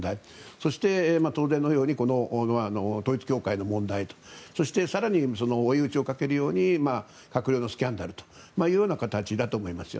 そして当然のように統一教会の問題とそして更に追い打ちをかけるように閣僚のスキャンダルという形だと思います。